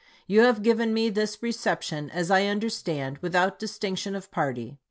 You give me this reception, as I under stand, without distinction of party.